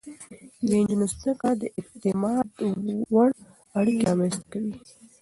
د نجونو زده کړه د اعتماد وړ اړيکې رامنځته کوي.